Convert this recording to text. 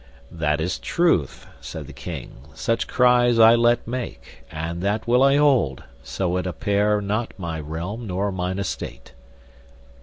That is truth, said the king, such cries I let make, and that will I hold, so it apair not my realm nor mine estate.